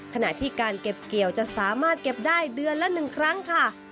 ขณะที่การเก็บเกี่ยวจะสามารถเก็บได้เดือนละ๑ครั้งค่ะ